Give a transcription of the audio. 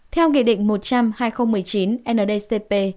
theo nghị định một trăm linh hai nghìn một mươi chín ndcp